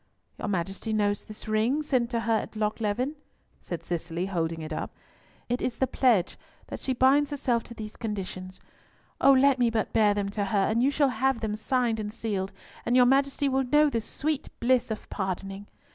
"Your Majesty knows this ring, sent to her at Lochleven," said Cicely, holding it up. "It is the pledge that she binds herself to these conditions. Oh! let me but bear them to her, and you shall have them signed and sealed, and your Majesty will know the sweet bliss of pardoning.